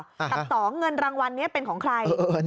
กับสองเงินรางวัลเป็นของใคร